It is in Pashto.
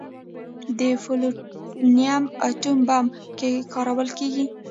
د پلوټونیم اټوم بم کې کارول کېږي.